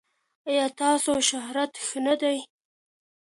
ایا ستاسو شهرت ښه نه دی؟